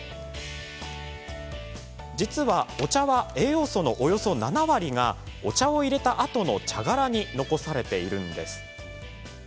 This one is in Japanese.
実は、お茶は栄養素のおよそ７割がお茶をいれたあとの茶殻に残されているんです。